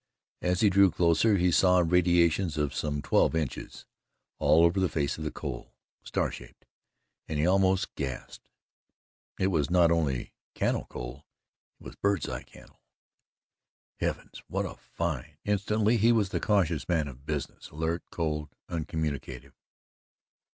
As he drew closer, he saw radiations of some twelve inches, all over the face of the coal, star shaped, and he almost gasped. It was not only cannel coal it was "bird's eye" cannel. Heavens, what a find! Instantly he was the cautious man of business, alert, cold, uncommunicative.